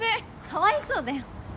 かわいそうだよ。